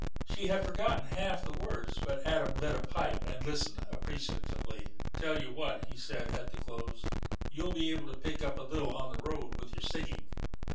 She had forgotten half the words, but Adam lit a pipe and listened appreciatively. "Tell you what," he said at the close; "you'll be able to pick up a little on the road with your singing.